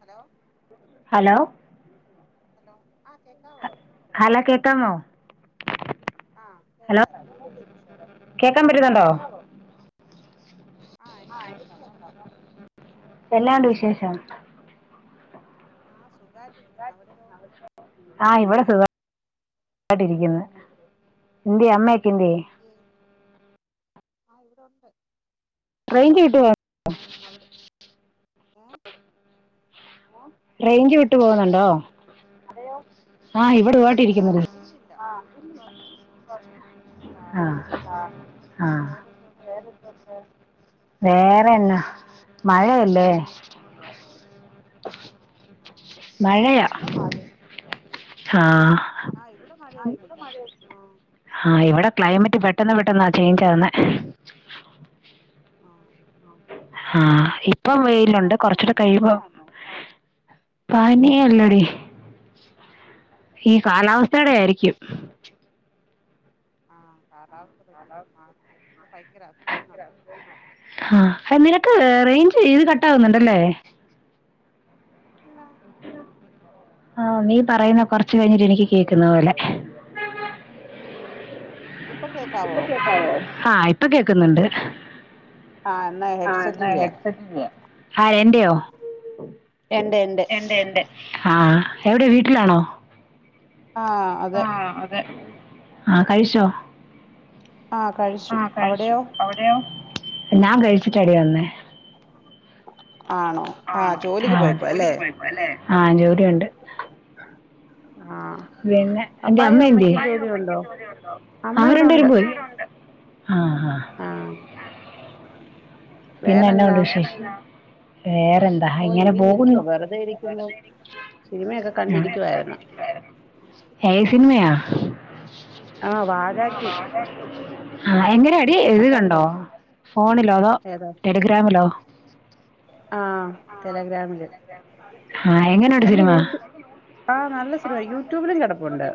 Hello hello hello ആ കേക് hello കേക്കാമോ ആ ഹലോ കേക്കാം എന്നോണ്ട് വിശേഷം കേക്കാൻ പറ്റുന്നുണ്ടോ കേക്കാവോ ആ എനിക്ക് കേക്കാം പറഞ്ഞോ എന്നാ ഉണ്ട് വിശേഷം ആ സുഖായ്ട്ടിരിക്കുന്നു. [unintelligible] ആ ഇവ്ടെ സുഖായിട്ടിരിക്കുന്നു എന്ത് ചെയ്യാ എല്ലാരും എന്ത്യേ ആ ഇവിടൊണ്ട് റേഞ്ച് [unintelligible] അവിടെ ഏഹ് റേഞ്ച് വിട്ടു അവിടെയോ പോകുന്നുണ്ടോ ആ ഇവിടെ [unintelligible] ആ ഇല്ലില്ല ഓക്കെ ആ ആണോ ആ പിന്നെ വേറെന്തോണ്ട് വേറെന്തൊക്കെ വേറെ എന്നാ മഴയല്ലേ ആഹ് ഇവിടെ മഴയാ മഴയൊന്നുല്ല ആഹ് ആ ഇവിടെ മഴയൊന്നുല്ല ആ ആ ഇവിടെ ക്ലൈമറ്റ് പെട്ടെന്ന് പെട്ടെന്നാ ചെയ്ഞ്ച് ആവുന്നെ ആഹ് ആഹ് ഇപ്പം ഇപ്പൊ വെയിലുണ്ട് കൊറച്ചൂടി പനിയാന്നോ കഴിയുമ്പോ ആഹ് പനിയല്ലടീ ഈ കാലാവസ്ഥടെ ആയിരിക്കും ആ കാലാവസ്ഥ ഭയങ്കരായിട്ട് മാറുന്നുണ്ട് ഇപ്പൊ ഭയങ്കര അസുഖങ്ങളാ ആ എ നിനക്ക് റേയ്ഞ്ച് ഇത് കട്ടാവുന്നുണ്ടല്ലേ എന്താ ആ നീ പറയുന്ന കൊറച്ച് കഴിഞ്ഞിട്ട് എനിക്ക് കേക്ക്‌ന്നപോലെ ഇപ്പൊ ഇപ്പ കേക്കാവോ കേക്കാവോ ആ ഇപ്പ കേക്ക്‌ന്ന്ണ്ട് ആന്നേ ആ എന്ന ഹെഡ്സെറ്റ്ന്റയാ ആ എന്റെയോ എണ്ട് എണ്ട് എന്റെ എന്റെ ആ എവിടെ വീട്ടിലാണോ? ആഹ് അതെ ആ അതെ ആ കഴിച്ചോ ആഹ് കഴിച്ചു ആ കഴിച്ചു അവിടെയോ അവിടെയൊ ഞാൻ കഴിച്ചിട്ടാടി വന്നേ ആണോ ആഹ് ആണോ ജോലിക്ക് ആ പോയേക്കുവാ അല്ലേ ജോലിക്ക്‌ പൊയിപോലേ ആ ജോലിയുണ്ട് ആഹ് പിന്നെ പപ്പായും എന്റെഅമ്മഎന്തേ അമ്മയ്ക്കും ജോലിയുണ്ടോ അമ്മ ഇവിടെ ഉണ്ട് അവരണ്ടേരുംപോയി ആഹ് ആഹ് ആഹ് പിന്നെന്നാ വേറെന്താ ഉണ്ട് വിശേഷം വേറെ എന്നാ, വേറെന്താ ഓഹ് ഇങ്ങനെ പോകുന്നു ഇരിക്കുവാ വെറുതെ ഇരിക്കുമ്പോ വെറുതെ ഇരിക്കുക. സിനിമയൊക്കെ ഞാൻ എടുത്തോണ്ട് കണ്ടിരിക്കുവായിരുന്നു ഇരിക്കുകയായിരുന്നു, ഏത് സിനിമയാ. ആഹ് ആഹ് വാഴ ടു വാഴ ടു. ആഹ് എങ്ങനാടി ഇത് കണ്ടോ, ഫോണിലോ അതോ ഏതാ ടെലിഗ്രാമിലോ? ആഹ് ടെലിഗ്രാമിലെ ആ എങ്ങനെയുണ്ട് നമ്മുടെ സിനിമ യൂട്യൂ ആഹ് നല്ല സിനിമയാ യൂട്യൂബിലും കിടപ്പുണ്ട്.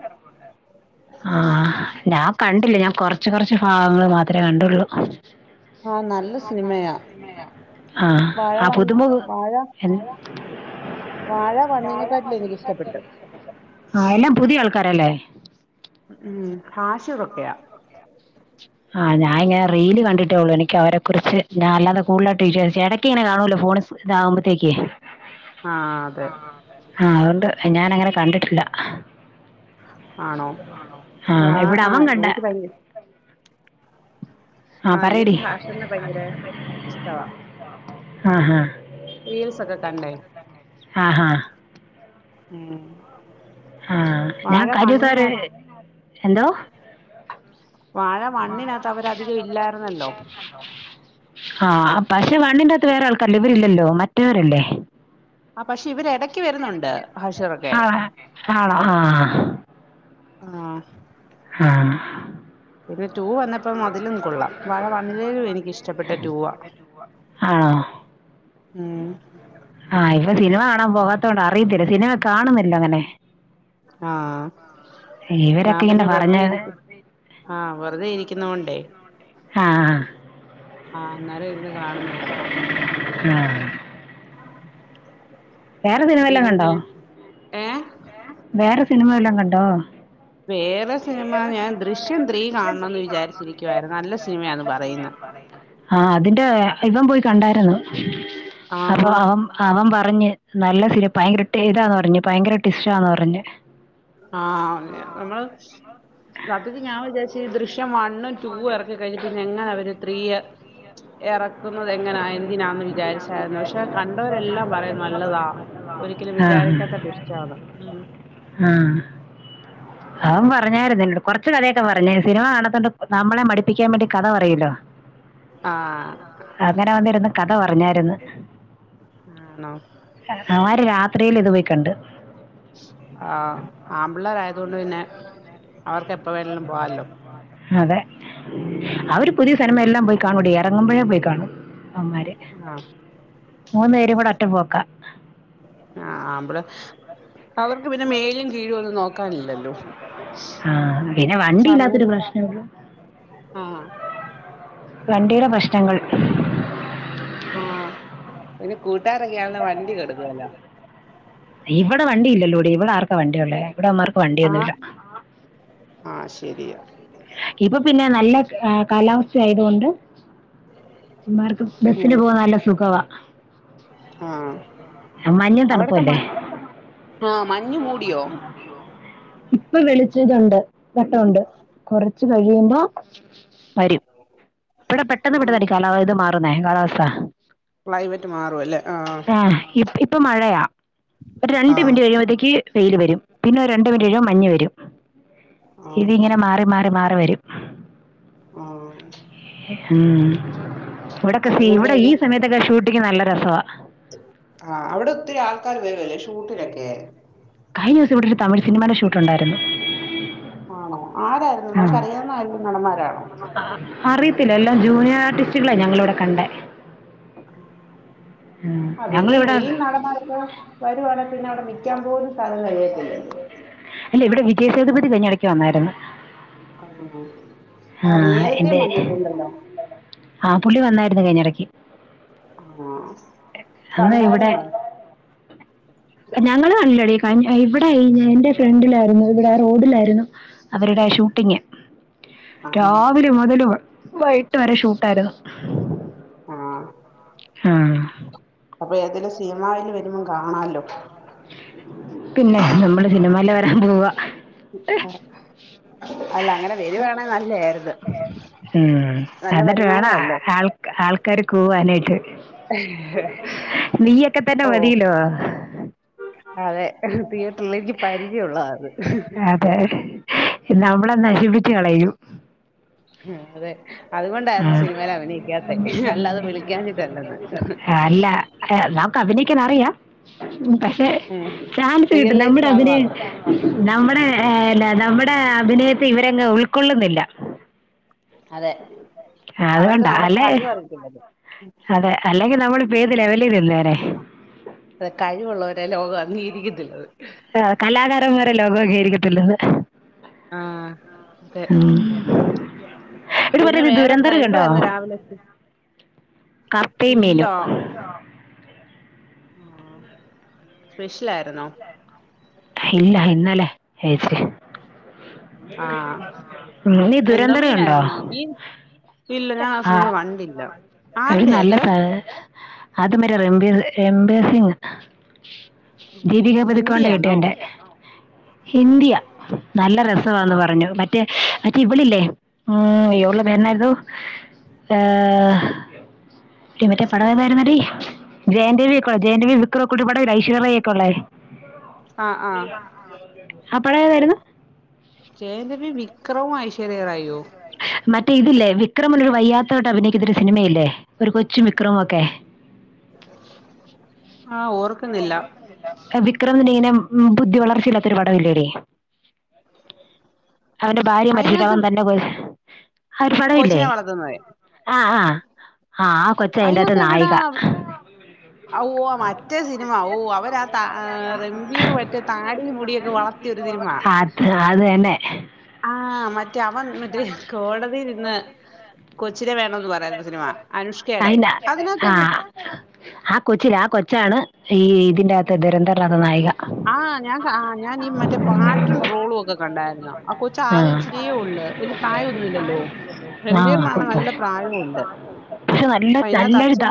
ആഹ് ഞാൻ കണ്ടില്ല, ഞാൻ കൊറച്ച് കൊറച്ച് ഭാഗങ്ങള് മാത്രേ കണ്ടൊള്ളൂ. ഞാൻ ആഹ് നല്ല കണ്ട് സിനിമയാ സിനിമയാ ആഹ് വാഴ ആഹ് വൺ പുതുമുഖം വാഴ എന്നത്. വാഴ വാഴ വണ്ണിനെക്കാട്ടിലും ഓണിനെക്കാളും എനിക്കിഷ്ടപ്പെട്ട് എനിക്ക് ഇഷ്ടപ്പെട്ടു. ആഹ് എല്ലാം പുതിയ ആൾക്കാരല്ലേ? ഉം ഹാഷിറൊക്കെയാ. ആഹ് ഞാൻ ഇങ്ങനെ റീൽ കണ്ടിട്ടേയുള്ളൂ, എനിക്ക്‌ അവരെ കുറിച്ച് ഞാൻ അല്ലാതെ കൂടുതലായിട്ട് വിചാരിച്ച്, ഇടയ്ക്കിങ്ങനെ കാണൂലോ ഫോണിൽ. ഇതാവുമ്പത്തേക്ക്. ആഹ് അതെ ആഹ് ആഹ് അതോണ്ട് ഞാൻ അങ്ങനെ കണ്ടിട്ടില്ല. ആണോ [unintelligible] ആണോ, ആഹ് ഇവിടെ അവൻ ആഹ് കണ്ട്. എനിക്ക് ഭയങ്ക ആ ആഹ് പറയടി എനിക്ക് ഹാഷിറിന് ഭയങ്കര ഇഷ്ടവാ. ആഹ് റീൽസ് ഒക്കെ കണ്ടായിരുന്നു. ആഹ് ഉം ആഹ് ഞാൻ വാഴ കഴിഞ്ഞ ദിവസം വണ്ണിനാ ഒരു, എന്തോ. വാഴ വൺ അകത്ത് അവർ അധികം ഇല്ലായിരുന്നല്ലോ? ആഹ് പക്ഷെ വണ്ണിന്റെ അകത്ത് വേറെ ആൾക്കാരല്ലേ, ഇവരില്ലല്ലോ മറ്റവരല്ലേ? ആഹ് പക്ഷെ ഇവര് ഇടയ്ക്ക് വരുന്നുണ്ട് ഹാഷിറൊക്കെ. ആ ആണോ ആഹ് ആഹ് ആഹ് പിന്നെ റ്റൂ വന്നപ്പം അതിലും കൊള്ളാം, വാഴ വണ്ണിലേറും എനിക്കിഷ്ടപ്പെട്ട റ്റൂവാ. ആണോ ഉം ആഹ് ഇവിടെ സിനിമ കാണാൻ പോകാത്തത് കൊണ്ട് അറിയത്തില്ല, സിനിമ കാണുന്നില്ല അങ്ങനെ. ആഹ് ഞാൻ ഇവരൊക്കെ ഇങ്ങനെ പിന്നെ വെറുതെ പറഞ്ഞത് ഇരിക്കും, ആഹ് വെറുതെ ഇരിക്കുന്നോണ്ട്. ആഹ് ആഹ് അന്നേരം ഇരുന്ന് കാണുന്നതാ. ആ വേറെ സിനിമ പിന്നെ ഏഹ്. ഏഹ് വേറെ സിനിമ വല്ലും കണ്ടോ? വേറെ സിനിമ വേറെ ഞാൻ സിനിമ ദൃശ്യം ഏഹ് ത്രീ ദൃശ്യം ത്രീ കാണണംന്ന് കാണണയെന്ന് വിചാരിച്ചിരിക്കുവായിരുന്നു നല്ല വിചാരിച്ചിരിക്കുവായിരുന്നു സിനിമയാന്ന് നല്ല പറയുന്നു സിനിമയാണ്. പറയില്ല, ആഹ് അതിന്റെ ഇവൻ പോയി കണ്ടായിരുന്നു ആഹാ അപ്പൊ അവൻ. അവൻ പറഞ്ഞു നല്ല സിനിമ ഭയങ്കരടെറാ ആണെന്ന് പറഞ്ഞു ഭയങ്കര ടിസ്റ്റാന്ന് പറഞ്ഞു. ആഹ് നമ്മള്. സത്യത്തിൽ ഞാൻ വിചാരിച്ചു ഈ ദൃശ്യം വണ്ണും ടുവും എറക്കി കഴിഞ്ഞ പിന്നെങ്ങനെ അവര് ത്രീയെ. എറക്കുന്നത് എങ്ങനാ എന്തിനാന്ന് വിചാരിച്ചായിരുന്നു പക്ഷെ കണ്ടവരെല്ലാം പറയും നല്ലതാ. ഒരിക്കലും വിചാരിക്കാത്ത ട്വിസ്റ്റാണ് ഉം. ആഹ് അവൻ പറഞ്ഞായിരുന്നു എന്നോട് കൊറച്ച് കഥയൊക്കെ പറഞ്ഞേ സിനിമ കാണത്തൊണ്ട് നമ്മളെ മടിപ്പിക്കാൻ വേണ്ടി കഥ പറയൂല്ലോ. ആ [inaudible] അങ്ങനെ വന്നിരുന്ന് കഥ പറഞ്ഞായിരുന്ന് ആണോ അവര് രാത്രിയില് ഇതു പോയി കണ്ട് ആഹ് ആമ്പിള്ളേരായതോണ്ട് പിന്നെ അവർക്ക് എപ്പ വേണേലും പോവാല്ലോ അതെ അവര് പുതിയ സിനിമ എല്ലാം പോയി കാണൂടി എറങ്ങുമ്പോഴേ പോയി കാണും അവമ്മാര് ആ മൂന്ന് പേരും കൂടെ ഒറ്റ പോക്ക ആഹ് ആമ്പിളര് അവർക്ക് പിന്നെ മേലും കീഴും ഒന്നും നോക്കാനില്ലല്ലോ ആ പിന്നെ വണ്ടി സമയം ഇല്ലാത്തൊരു പ്രശ്നമേ ഉള്ളൂ ആഹ് വണ്ടീടെ പ്രശ്നങ്ങൾ ആഹ് പിന്നെ കൂട്ടാരൊക്കെയാണല്ലോ വണ്ടി കൊടുക്കുല്ല ഇവടെ വണ്ടി ഇല്ലല്ലോടീ ഇവടെ ആർക്ക വണ്ടിയുള്ളെ ഇവടെയുള്ള മാർക്ക് ആഹ് വണ്ടിയൊന്നുല്ല ആഹ് ശരിയാ ഇപ്പൊ പിന്നെ നല്ല എ കാലാവസ്ഥ ആയതുകൊണ്ട് ഇമ്മാർക്കും ബസ്സിന് ഉം പോകാൻ നല്ല സുഖവാ ആഹ് മഞ്ഞും അവ്ട്ത്തെ മ തണുപ്പല്ലേ ആ മഞ്ഞ് മൂടിയോ ഇപ്പൊ വെളിച്ചതുണ്ട് ഘട്ടൊണ്ട് കൊറച്ച് കഴിയുമ്പോ വരും ഇവടെ പെട്ടെന്ന് ആഹ് പെട്ടെന്നല്ലേ ഇ കാലാവ ഇത് മാറുന്നേ കാലാവസ്ഥ ക്ലൈമറ്റ് മാറു അൽ എ ഇ ഇപ്പ മഴയാ ഒരു രണ്ട് ആഹ് മിനിറ്റ് കഴിയുമ്പോത്തേക്ക് വെയില് വരും പിന്നെ രണ്ട് മിനിറ്റ്കഴി യുമ്പോ മഞ്ഞ് വരും ആഹ് ഇതിങ്ങനെ മാറി മാറി മാറി വരും ഉം ഉം ഇവടെക്കസി അതുകൊണ്ട് ഇവടെ ഈ തന്നെ സമയത്ത് വ്ടക്കെ ഷൂട്ടിംഗ് നല്ല രസവാ ആഹ് അവ്ടെ ഒത്തിരി ആൾക്കാര് വെരൊല്ലേ ഷൂട്ടിനൊക്കെ കഴിഞ്ഞോസം ഇവ്ടൊരു തമിഴ് സിനിമടെ ഷൂട്ടുണ്ടായിരുന്നു ആണോ ആരായിരുന്നു നമുക്കറിയാവുന്ന ആരേലും നടന്മാരാണോ അറിയത്തില്ല എല്ലാം ജൂനിയർ ആർട്ടിസ്റ്റുകളെ ഞങ്ങളിവിടെ കണ്ടേ ഉം. അതെവല്യ മെയിൻ ഞങ്ങളിവിടെ നടന്മാരൊക്കെ വരുവാണങ്ക പിന്നെ അവ്ടെ നിക്കാൻ പോലും സ്ഥലം തെകയത്തില്ലല്ലോ ഇല്ലേ ഇവ്ടെ വിജയശദ്പതി കഴിഞ്ഞടക്ക് വന്നായിരുന്നു ആണോ ആ നേരത്തെ വന്നിട്ടുണ്ടല്ലോ ആ പുള്ളി വന്നായിരുന്നു അതിനടയ്ക്ക് ആഹ് അന്ന് ഇവ്ടെ കണ്ടായിരുന്നോ ഞങ്ങള് കണ്ടില്ലെടീ കയി അയ് ഇവടെ എന്റെ ഫ്രണ്ടിലായിരുന്നു ഇവിടെ റോഡിലായിരുന്നു അവരുടെ ഷൂട്ടിങ് ആഹാ രാവിലെ മുതല് വൈകട്ട് വരെ ഷൂട്ടായിരുന്നു ആഹ് ആഹ് അപ്പൊ ഏതെലും സിനിമേൽ വരുമ്പോം കാണാല്ലോ പിന്നെ നമ്മള് സിനിമല് വരാൻ പോവ അല്ല അങ്ങനെ വരുവാണെ നല്ലയായിരുന്നു [inaudible] ഉം, നല്ല എന്നിട്ട് വേണം ആ ആ വരുമാനമല്ലേ ആൾ ആൾക്കാാര് കൂവാനായിട്ട് നീയൊക്കെ തന്നെ ഓ മതീലോ അതെ തിയേറ്ററിലേക്ക് പരിചയം ഉള്ള ആള് അതെ നമ്മളെ നശിപ്പിച്ച് കളയും അതെ അതുകൊണ്ടായിരുന്നു ആ സിനിമൽ അഭിനയിക്കാത്തെ അല്ലാതെ വിളിക്കാഞ്ഞിട്ടല്ലന്ന് അല്ല അതെ ഞമുക്ക് അഭിനയിക്കാൻ അറിയാം. പക്ഷെ ഉം ചാൻസ് റിയൽ കിട്ടും നമ്മുടെ ലൈഫിലാണ് അഭിനയം മാത്രം ഉം നമ്മുടെ ഏഹ്‌ അല്ല നമ്മുടെ അഭിനയത്തെ ഇവരങ്ങ് ഉൾക്കൊള്ളുന്നില്ല അതെ അവർക്ക് അതുകൊണ്ടാ നമ്മുടെ അല്ലെ കഴിവ് അറിയത്തില്ലെന്ന് ഉം അതെ അല്ലെങ്കിൽ നമ്മളിപ്പോ ഏത് ലെവലിൽ നിന്നേരെ അതെ കഴിവുള്ളവരെ ലോകം അംഗീകത്തില്ലെന്ന് ആഹ് കലാകാരൻമാരെ ലോകം അംഗീകരിക്കത്തില്ലെന്ന് ആഹ് അതെ ഇവിടെ പിന്നെ പറയുന്നത് വേറെന്താ ദുരന്തരം എന്ത് കണ്ടോ വാരുന്നു രാവിലെക്ക്. കപ്പയും മീനും ഇല്ലാ ആഹ് സ്പെഷ്യൽ ആയിരുന്നോ? ഇല്ല ഇന്നലെ ചേച്ചി ആഹ് നീ എന്തോ ദുരന്തര കണ്ടോ? മീനായിരുന്നോ മീൻ ഇല്ല ഞാൻ ആ സിനിമ ആഹ് കണ്ടില്ല ഒരു ആരുടെയാ നല്ല അത് സ- അത് മരെ റംബിരി റംബീരിസിങ് ഭീവികാ ബതുക്കോണ്ട കിട്ടിയ ഹിന്ദിയാണോ എന്റെ ഇന്ത്യ നല്ല രസമാന്ന് ആഹ് പറഞ്ഞു മ മറ്റെ അറ്റി ഇവ്ള ഇല്ലേ ഉം ഇവളെ പേരെന്തായിരുന്നു? ഏഹ് ഇവര്ടെ പടവേതായിരുന്നടി ജയൻരവി ഒക്കെ ഉളള ജയൻ രവി വിക്രം ഒക്കെ ടപടംള ഐശ്വര്യ റായി ഒക്ക ഉള്ള ആഹ് ആഹ് ആ പടം ഏതായിരുന്നു? ജയം രവിയും വിക്രമം ഐശ്വര്യ റായിയ്യോ മറ്റേ ഇതില്ലേ വിക്രമിന് ഒരു വയ്യാത്ത തട്ട് അഭിനയിക്കുന്ന ഒരു സിനിമയില്ലേ ഒരു കൊച്ചും വിക്രം ഒക്കെ [inaudible] ആഹ് ഓർ- വിക്രമന്റെ ഇങ്ങനെ ബുദ്ധി വളർച്ചയില്ലാത്ത ഒരു പടം ഇല്ലെടീ അവന്റെ ഭാര്യ മരിച്ചിട്ട് അയിനകത്ത് അവൻ തന്നെ ആ ഒരു പട ഇല്ലേ കൊച്ചിനെ വളർത്തുന്നത് ആഹ് ആഹ് ആഹ് ആ കൊച്ച അയിന്റെകത്ത് നായിക ഓഹ് മറ്റേ സിനിമ ഓ അവരാ താ ആ രംബീർ മറ്റേ താടി മുടിയൊക്കെ വളർ- ത്തിയ ഒരു സിനിമ അത് തന്നെ ആഹ് മറ്റെ അവൻ മറ്റേ കോടതിയിൽ നിന്ന് കൊച്ചിനെ വേണന്ന് പറ സിനിമ അനുഷ്കടെ അയിന അതിനകത്ത് ആഹ് ആ കൊച്ചില്ലേ ആ കൊച്ചാണ് ഈ ഇതിന്റകത്ത് ദുരന്തനാഥ നായിക ആഹ് ഞാൻ ആ ഞാൻ ഈ മറ്റേ പാറ്റും ട്രോളും ഒക്കെ കണ്ടായിരുന്നു ആ കൊച്ച് ആകെ ആഹ് ഇച്ചിരിയേ ഉള്ളൂ വലിയ പ്രായന്നു ഇല്ലല്ലോ ആഹ് രംഭീറിനാണ് കൊച്ച് നല്ല പ്രായോം ഉണ്ട് പക്ഷെ നല്ല നല്ലൊരുതാ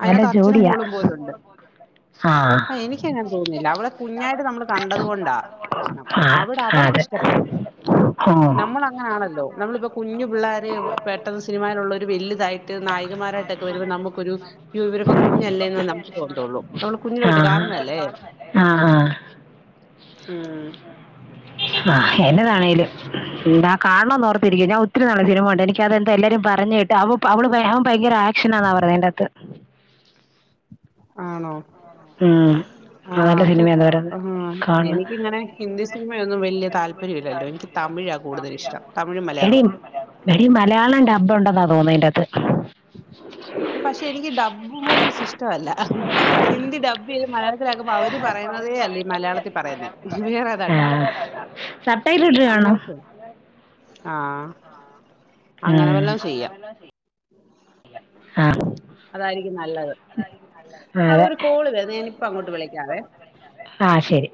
അതിനകത്ത് അച്ഛനും ജോഡിയാ മോളും പോലുംണ്ട് ആഹ് എനിക്ക് എങ്ങനെ തോന്നുന്നില്ല അവളെ കുഞ്ഞായിട്ട് നമ്മള് കണ്ടത് കൊണ്ടാ പ്രശ്നം അവിടെ അവർക്ക് അതെ ഇഷ്ടപ്പെടും ആഹ് ആണല്ലോ നമ്മളിപ്പോ കുഞ്ഞു പിള്ളോര പെട്ടന്ന് സ് സിനിമയിലുള്ള ഒരു വലുതായിട്ട് നായികമാരായിട്ടൊക്കെ വരുമ്പോൾ നമുക്കൊരു ഇവരൊക്കെ കുഞ്ഞല്ലേന്ന് നമുക്ക് തോന്നുള്ളൂ നമ്മള് കുഞ്ഞിലെ ആ തൊട്ട് കാണുന്നല്ലേ ആ ആ ഉം ആഹ് എന്നതാണേലും എന്താ കാണോന്ന് ഓർത്തിരിക്കും ഞാൻ ഒത്തിരി നാളായി സിനിമയ ഉണ്ട് എനിക്കതെന്താ എല്ലാരും പറഞ്ഞ കേട്ട് അവ അവിള് അവൻ ഭയങ്കര ആക്ഷനാന്ന പറഞ്ഞേ ആയിൻ്റാത്ത് ആണോ ആഹ് ആഹ് അത് ആഹ് കാണണം എനിക്കിങ്ങനെ ഹിന്ദി സിനിമയൊന്നും വലിയ താല്പര്യമില്ലല്ലോ എനിക്ക് തമിഴാ കൂടുതൽ ഇഷ്ടം തമിഴും എടി മലയാളവും എടി മലയാളം ഡബ്ബ് ഉണ്ടെന്നാ തോന്നുന്നു അതിനകത്ത് പക്ഷെ എനിക്ക് ഡബ്ബു മൂവീസ് ഇഷ്ടമല്ല ഹിന്ദി ഡബ്ബു ത് മലയാളത്തിലാക്കുമ്പ അവര് പറയുന്നതേ അല്ല ഈ മലയാളത്തിൽ പറയുന്നേ ആ വേറെതാണ്ടാ സബ് ടൈടിലിട്ട് കാണോ ആഹ് അങ്ങനെ ഉം. വല്ലോം ചെയ്യാം ആഹ് അതായിരിക്കും നല്ലത് ആ, ആഹ് അതെ ഒരു കോള് വരുന്നു ഞാന ഇപ്പ അങ്ങോട്ട് വിളിക്കാവേ ആഹ് ശരി